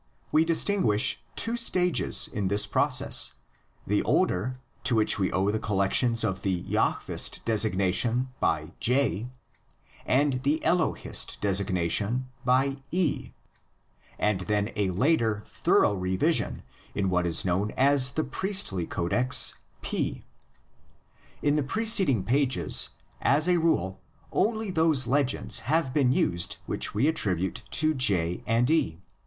We distinguish two stages in this process: the older, to which we owe the collections of the Jahvist designated by 'J' ^iid the Elohist designated by 'E', and then a later, thorough revision in what is known as the Priestly Codex 'P'. In the preced ing pages as a rule only those legends have been used which we attribute to J and E.